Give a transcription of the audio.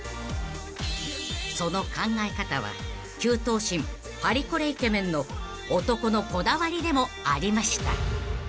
［その考え方は９頭身パリコレイケメンの男のこだわりでもありました］